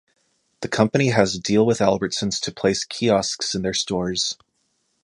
The company has a deal with Albertsons to place kiosks in their stores.